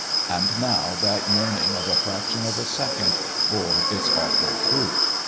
And now that yearning of a fraction of a second bore its awful fruit.